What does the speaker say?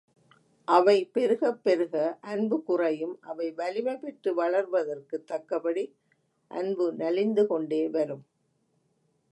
அவை பெருகப் பெருக, அன்பு குறையும் அவை வலிமை பெற்று வளர்வதற்குத் தக்கபடி, அன்பு நலிந்து கொண்டே வரும்.